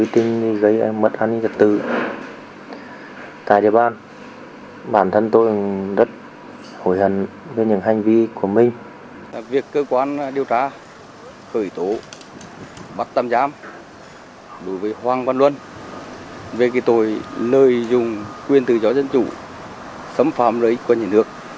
tại cơ quan điều tra hoàng văn luân về tội lợi dụng quyền tự do dân chủ xâm phạm lợi ích của nhà nước